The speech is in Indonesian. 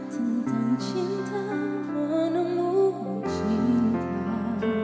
tentang cinta penemu cinta